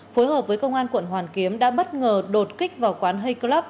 phối hợp với công an quận hoàn kiếm đã bất ngờ đột kích vào quán hay club